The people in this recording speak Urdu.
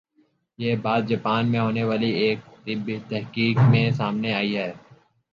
یہ بات جاپان میں ہونے والی ایک طبی تحقیق میں سامنے آئی ہے